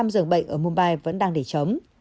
chín mươi dường bệnh ở mumbai vẫn đang để chấm